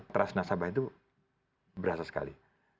trust nasabah itu berasa sekali